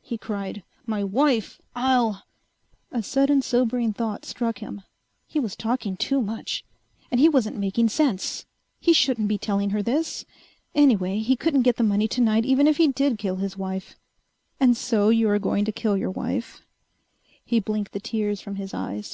he cried. "My wife! I'll ..." A sudden sobering thought struck him. He was talking too much. And he wasn't making sense. He shouldn't be telling her this. Anyway, he couldn't get the money tonight even if he did kill his wife. "And so you are going to kill your wife...." He blinked the tears from his eyes.